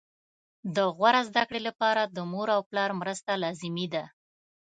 د غوره زده کړې لپاره د مور او پلار مرسته لازمي ده